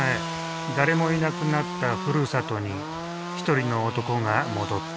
誰もいなくなったふるさとに一人の男が戻った。